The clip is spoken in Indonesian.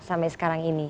sampai sekarang ini